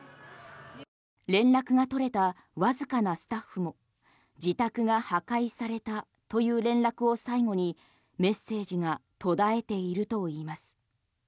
連絡が取れたわずかなスタッフも自宅が破壊されたという連絡を最後に、メッセージが途絶えているといいます。